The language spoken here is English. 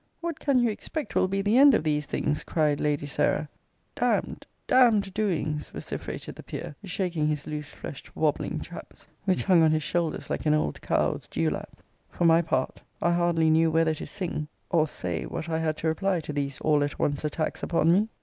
What can you expect will be the end of these things! cried Lady Sarah d d, d d doings! vociferated the Peer, shaking his loose fleshe'd wabbling chaps, which hung on his shoulders like an old cow's dewlap. For my part, I hardly knew whether to sing or say what I had to reply to these all at once attacks upon me!